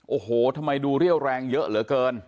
โอ้โหทำไมดูเรี่ยวแรงเยอะเหลือเกิน